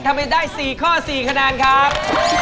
ทำให้ได้๔ข้อ๔คะแนนครับ